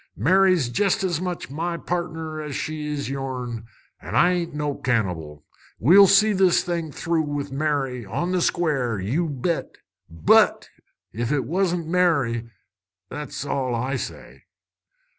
"Mary's jest as much my pardner as she is yourn, an' I ain't no cannibal. We'll see this thing through with Mary, on the square, you bet. But ef 'twasn't Mary that's all I say!"